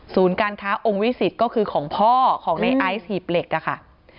ศูนย์การค้าองค์วิสิทธิ์ก็คือของพ่อของไอซ์หีบเหล็กค่ะ